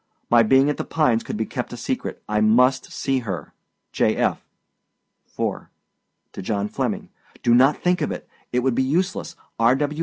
My being at The Pines could be kept secret. I must see her. J. F. 4. TO JOHN FLEMMING. Do not think of it. It would be useless. R.